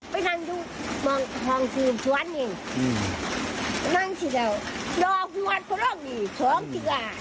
ไปนั่งดูมองทองสี่ชวนเนี่ยอืมนั่งสี่เท่าดอกหัวตรงนี้สองสี่กา